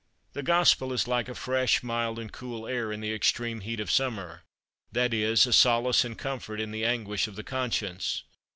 The Gospel is like a fresh, mild, and cool air in the extreme heat of summer, that is, a solace and comfort in the anguish of the conscience.